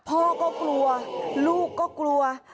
พ่อก็กลัวลูกก็กลัว